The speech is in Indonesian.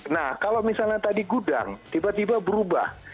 nah kalau misalnya tadi gudang tiba tiba berubah